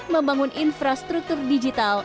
membangun infrastruktur digital